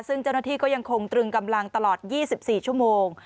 ซึ่งเจ้าหน้าที่ก็ยังคงตรึงกำลังตลอด๒๔ชั่วโมง